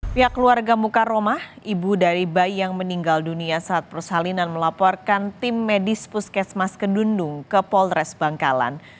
pihak keluarga mukaromah ibu dari bayi yang meninggal dunia saat persalinan melaporkan tim medis puskesmas kedundung ke polres bangkalan